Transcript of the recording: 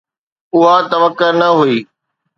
اها توقع نه هئي.